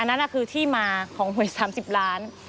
อันนั้นคือที่มาฝ่วย๓๐ล้าน